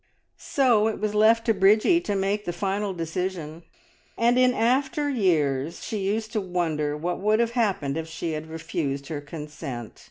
So it was left to Bridgie to make the final decision, and in after years she used to wonder what would have happened if she had refused her consent!